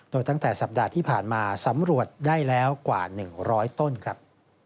โดยตั้งแต่สัปดาห์ที่ผ่านมาสำรวจได้แล้วกว่า๑๐๐ต้นครับ